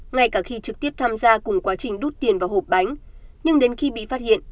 ngay cả khi trực tiếp tham gia cùng quá trình rút tiền vào hộp bánh nhưng đến khi bị phát hiện